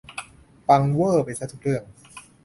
ปังเว่อร์ไปซะทุกเรื่อง